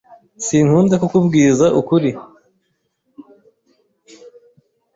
Sinkunda kukubwiza ukuri.)